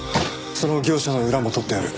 その業者の裏も取ってある。